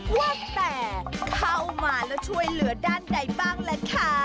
ว่าแต่เข้ามาแล้วช่วยเหลือด้านใดบ้างล่ะค่ะ